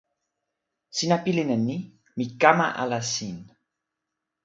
sina pilin e ni: mi kama ala sin.